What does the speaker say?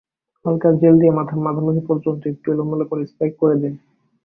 হালকা জেল দিয়ে মাথার মাঝামাঝি পর্যন্ত একটু এলোমেলো করে স্পাইক করে দিন।